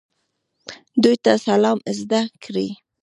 دوی ته اسلام زده کړئ